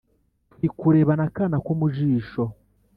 turi kurebana akana ko mu jisho